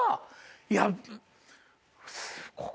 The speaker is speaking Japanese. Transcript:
いや。